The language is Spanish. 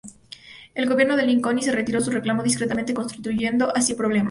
El gobierno de Lincoln retiró su reclamo discretamente, concluyendo así el problema.